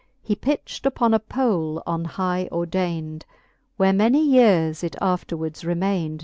He pitcht uj'on a j^oie on high ordayned ; Where many years it ifterwards remayned.